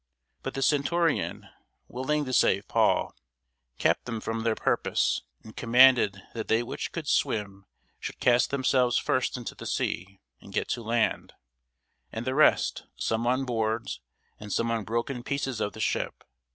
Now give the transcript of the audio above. But the centurion, willing to save Paul, kept them from their purpose; and commanded that they which could swim should cast themselves first into the sea, and get to land: and the rest, some on boards, and some on broken pieces of the ship.